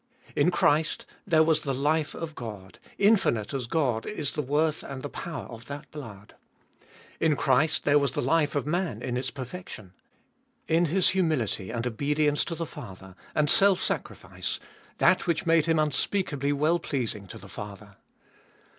In Christ there was the life of God ; infinite as God is the worth and the power of that blood. In Christ there was the life of man in its perfection ; in His humility, and obedience to the Father, and self sacrifice, that which made Him unspeakably well pleasing to the Father.